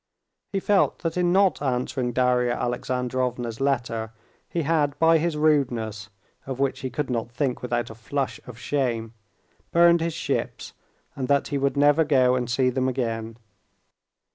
He felt that in not answering Darya Alexandrovna's letter he had by his rudeness, of which he could not think without a flush of shame, burned his ships, and that he would never go and see them again.